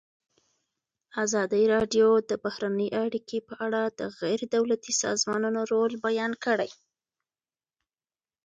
ازادي راډیو د بهرنۍ اړیکې په اړه د غیر دولتي سازمانونو رول بیان کړی.